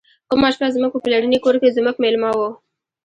کومه شپه زموږ په پلرني کور کې زموږ میلمه و.